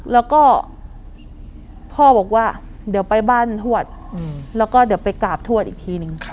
แล้วก็พ่อบอกว่าเดี๋ยวไปบ้านทวดแล้วก็เดี๋ยวไปกราบทวดอีกทีนึง